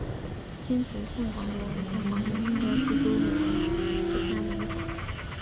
千足凤凰螺为凤凰螺科蜘蛛螺属下的一个种。